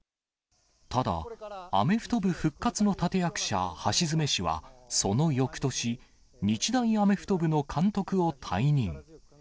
ただ、アメフト部復活の立て役者、橋詰氏は、そのよくとし、日大アメフト部の監督を退任。